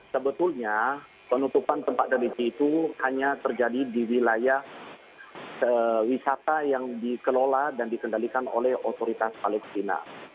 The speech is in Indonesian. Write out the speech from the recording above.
sebetulnya penutupan tempat religi itu hanya terjadi di wilayah wisata yang dikelola dan dikendalikan oleh otoritas palestina